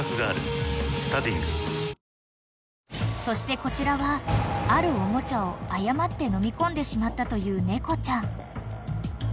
［そしてこちらはあるおもちゃを誤ってのみ込んでしまったという猫ちゃん］